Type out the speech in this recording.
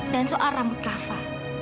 dan soal rambut kava